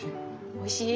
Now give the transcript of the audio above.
おいしい？